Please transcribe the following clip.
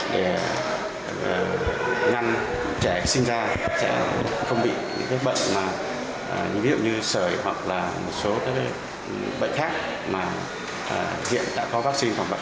để ngăn trẻ sinh ra trẻ không bị bệnh như sởi hoặc là một số bệnh khác